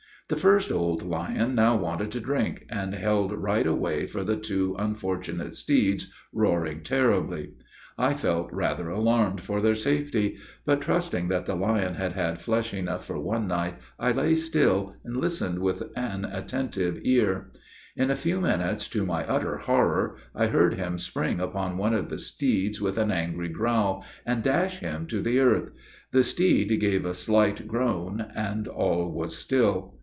The first old lion now wanted to drink, and held right away for the two unfortunate steeds, roaring terribly. I felt rather alarmed for their safety; but, trusting that the lion had had flesh enough for one night, I lay still, and listened with an attentive ear. In a few minutes, to my utter horror, I heard him spring upon one of the steeds with an angry growl, and dash him to the earth; the steed gave a slight groan, and all was still.